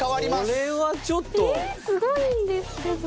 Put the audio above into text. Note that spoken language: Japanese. えすごいんですけど。